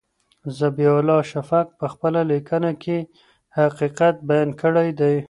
ذبیح الله شفق په خپله لیکنه کې حقیقت بیان کړی دی.